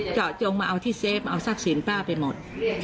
จัดจงมาเอาที่เซฟเอาศักดิ์สินป้าไปหมด